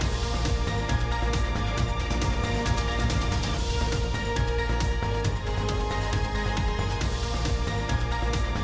สวัสดีค่ะ